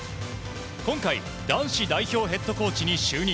今回、男子代表ヘッドコーチに就任。